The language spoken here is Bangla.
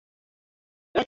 বসো দেখো গুঞ্জু উঠেছে?